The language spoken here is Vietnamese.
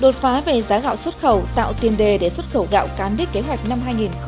đột phá về giá gạo xuất khẩu tạo tiền đề để xuất khẩu gạo cán đích kế hoạch năm hai nghìn hai mươi